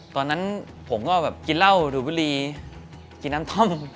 ตอนนั้นผมก็แบบกินเหล้าดูดบุรีกินน้ำท่อม